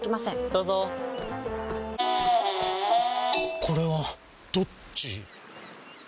どうぞこれはどっち？